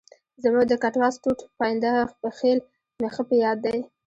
زموږ د کټواز ټوټ پاینده خېل مې ښه په یاد دی.